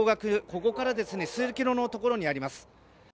ここから数キロのところにあります。